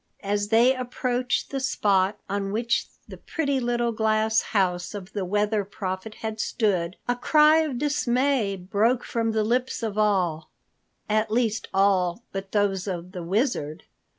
As they approached the spot on which the pretty little glass house of the Weather Prophet had stood, a cry of dismay broke from the lips of all,—at least all but those of the Wizard.